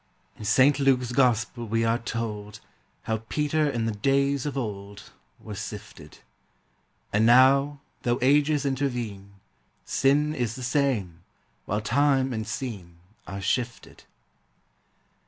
In Saint Luke's Gospel we are told How Peter in the days of old Was sifted; And now, though ages intervene, Sin is the same, while time and scene Are shifted.